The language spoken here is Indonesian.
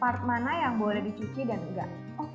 part mana yang boleh dicuci dan enggak